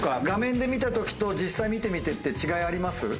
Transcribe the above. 画面で見た時と実際見てみてって違いあります？